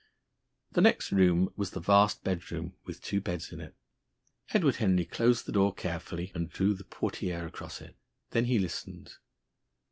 The next room was the vast bedroom with two beds in it. Edward Henry closed the door carefully, and drew the portiére across it. Then he listened.